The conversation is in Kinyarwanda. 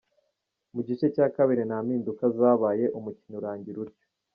Mu gice cya kabiri nta mpinduka zabaye, umukino urangira utyo.